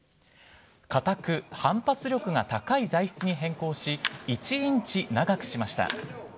かたく反発力が高い材質に変更し、１インチ長くしました。